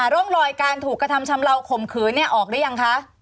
โรงรอยการถูกกระทำชำเลาขมขือออกได้ยังคะ